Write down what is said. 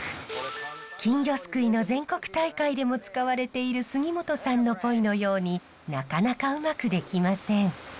金魚すくいの全国大会でも使われている杉本さんのポイのようになかなかうまくできません。